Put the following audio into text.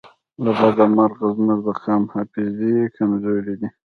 له بده مرغه زموږ د قام حافظې کمزورې دي